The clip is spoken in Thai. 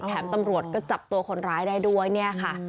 ตำรวจก็จับตัวคนร้ายได้ด้วยเนี่ยค่ะ